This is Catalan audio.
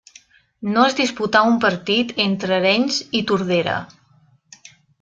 No es disputà un partit entre Arenys i Tordera.